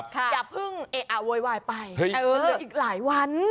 อย่าเพิ่งเอะอะโวยวายไปมันเหลืออีกหลายวัน